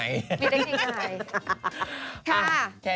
มีเทคนิคใหม่